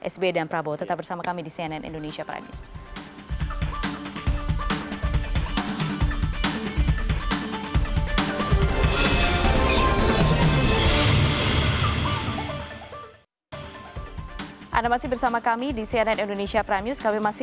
sby dan prabowo tetap bersama kami di cnn indonesia prime news